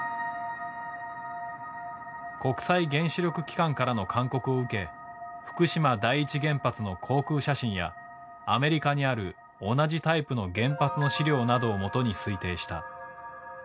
国際原子力機関からの勧告を受け福島第一原発の航空写真やアメリカにある同じタイプの原発の資料などを基に推定した。